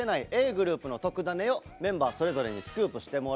ｇｒｏｕｐの特ダネをメンバーそれぞれにスクープしてもらいました。